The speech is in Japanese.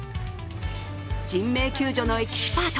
人命救助のエキスパート。